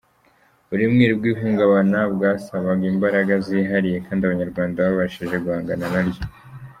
Uburemere bw’ihungabana bwasabaga imbaraga zihariye kandi abanyarwanda babashije guhangana na ryo.